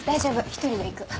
一人で行く。